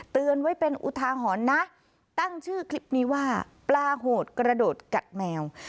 เตือนไว้เป็นอุทาหรณ์นะตั้งชื่อคลิปนี้ว่าปลาโหดกระโดดกัดแมว